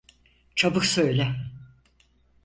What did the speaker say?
Çabuk söyle…